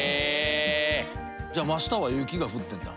じゃあ真下は雪が降ってんだ。